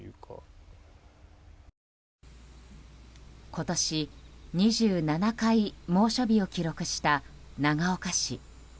今年、２７回猛暑日を記録した長岡市。